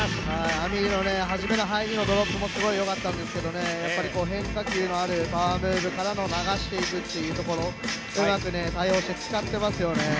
Ａｍｉｒの入りのドロップもよかったんですけどやっぱり変化球のあるパワームーブから流していくというところをうまく対応して使っていますよね。